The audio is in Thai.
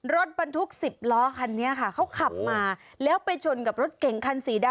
รถบรรทุก๑๐ล้อคันนี้ค่ะเขาขับมาแล้วไปชนกับรถเก่งคันสีดำ